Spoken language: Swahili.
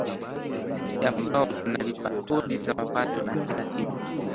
sisi ambao tunalipa kodi za mapato na kila kitu